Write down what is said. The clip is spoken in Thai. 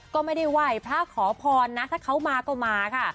ก็ไม่ได้ไหว้พระขอพรนะถ้าเขามาก็มาค่ะ